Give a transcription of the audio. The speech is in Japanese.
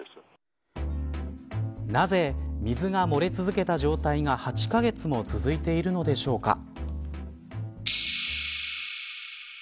なぜ水が漏れ続けた状態が８カ月も続いているのでしょうか。